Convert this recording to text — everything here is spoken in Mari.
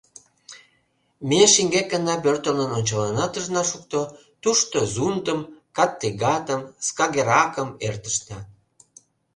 Ме шеҥгекына пӧртылын ончалынат ыжна шукто, тушто Зундым, Каттегатым, Скагеракым эртышна...